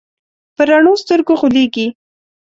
په رڼو سترګو غولېږي.